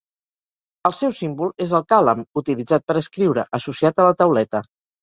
El seu símbol és el càlam, utilitzat per escriure, associat a la tauleta.